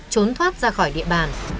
trốn thoát ra khỏi địa bàn